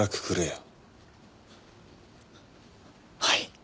はい！